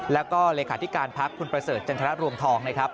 แล้วก็เลขาธิการพักคุณประเสริฐจันทรรวงทองนะครับ